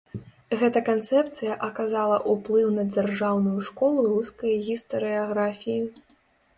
Гэта канцэпцыя аказала ўплыў на дзяржаўную школу рускай гістарыяграфіі.